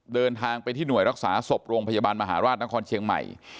เดินทางไปที่หน่วยรักษาศพโรงพยาบาลมหาราชนครเชียงใหม่